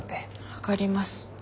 分かります。